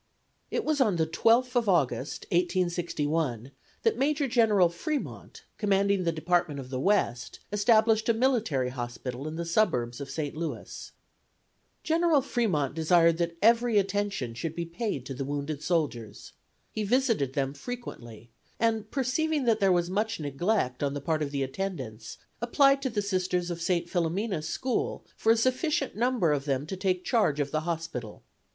It was on the 12th of August, 1861, that Major General Fremont, commanding the Department of the West, established a military hospital in the suburbs of St. Louis. General Fremont desired that every attention should be paid to the wounded soldiers. He visited them frequently, and perceiving that there was much neglect on the part of the attendants, applied to the Sisters of St. Philomena's School for a sufficient number of them to take charge of the hospital.